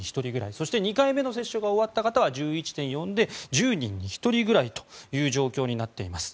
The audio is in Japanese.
そして２回目の接種が終わった方は１１．４％で１０人に１人ぐらいという状況になっています。